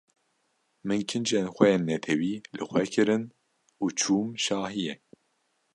Min kincên xwe yên netewî li xwe kirin û çûm şahiyê.